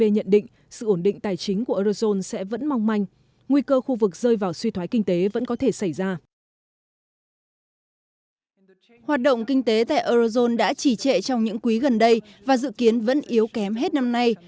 nền kinh tế eurozone đã chỉ trệ trong những quý gần đây và dự kiến vẫn yếu kém hết năm nay